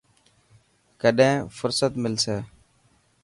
ڪڏهن فهرست ملسي.